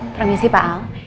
permisi pak al